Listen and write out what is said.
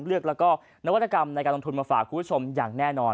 เลือกแล้วก็นวัตกรรมในการลงทุนมาฝากคุณผู้ชมอย่างแน่นอน